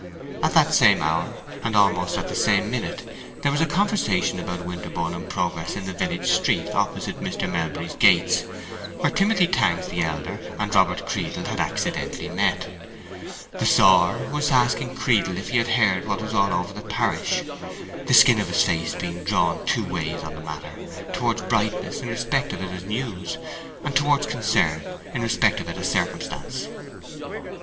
At that same hour, and almost at that same minute, there was a conversation about Winterborne in progress in the village street, opposite Mr. Melbury's gates, where Timothy Tangs the elder and Robert Creedle had accidentally met. The sawyer was asking Creedle if he had heard what was all over the parish, the skin of his face being drawn two ways on the matter—towards brightness in respect of it as news, and towards concern in respect of it as circumstance.